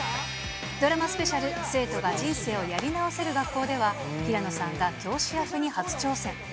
ドラマスペシャル、生徒が人生をやり直せる学校では、平野さんが教師役に初挑戦。